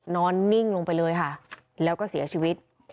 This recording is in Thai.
นิ่งลงไปเลยค่ะแล้วก็เสียชีวิต